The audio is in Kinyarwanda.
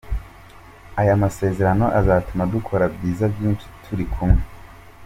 Aya masezerano azatuma dukora ibyiza byinshi turi kumwe.